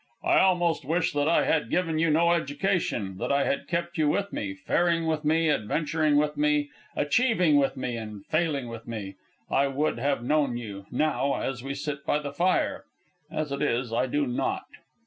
"I almost wish that I had given you no education, that I had kept you with me, faring with me, adventuring with me, achieving with me, and failing with me. I would have known you, now, as we sit by the fire. As it is, I do not.